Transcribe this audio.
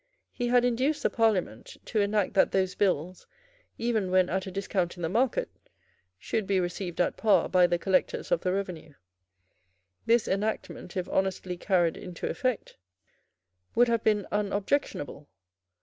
He had induced the Parliament to enact that those bills, even when at a discount in the market, should be received at par by the collectors of the revenue. This enactment, if honestly carried into effect, would have been unobjectionable.